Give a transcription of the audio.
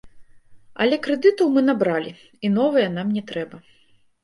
Але крэдытаў мы набралі, і новыя нам не трэба.